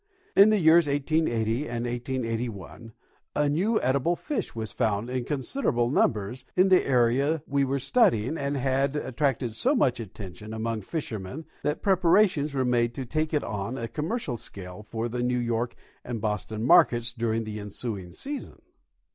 In the years 1880 and 1881 a new edible fish was found in considerable numbers in the area we were studying, and had attracted so much attention among fishermen that preparations were made to take it on a commercial scale for the New York and Boston markets during the ensuing season.